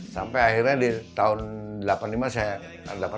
sampai akhirnya di tahun delapan puluh lima saya